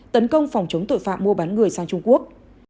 tấn công phòng chống tội phạm mua bán người sang trung quốc